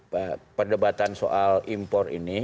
pada perdebatan soal impor